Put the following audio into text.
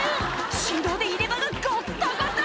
振動で入れ歯がガッタガタ！